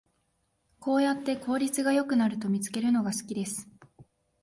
こうやれば効率が良くなると見つけるのが好きです